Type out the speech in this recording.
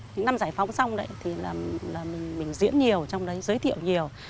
những năm giải phóng xong thì mình diễn nhiều trong đấy giới thiệu nhiều